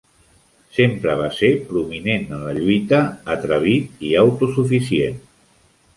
Sempre va ser prominent en la lluita, atrevit i autosuficient.